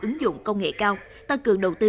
ứng dụng công nghệ cao tăng cường đầu tư